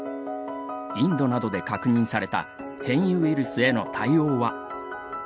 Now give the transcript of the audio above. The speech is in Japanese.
インドなどで確認された変異ウイルスへの対応は。